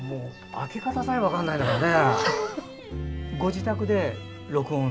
開け方さえ分からないもんね。